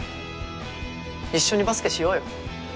一緒にバスケしようよ。